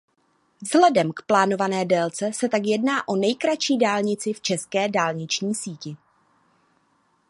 Vzhledem k plánované délce se tak jedná o nejkratší dálnici v české dálniční síti.